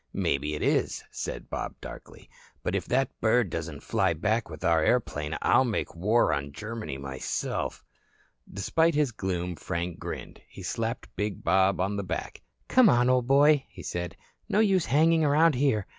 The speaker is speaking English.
"Maybe it is," said Bob darkly. "But if that bird doesn't fly back with our airplane I'll make war on Germany myself." Despite his gloom, Frank grinned. He slapped big Bob on the back. "Come on, old boy," he said. "No use hanging around here.